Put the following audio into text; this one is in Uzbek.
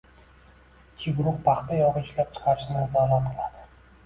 Ishchi guruh paxta yog‘i ishlab chiqarishni nazorat qiladi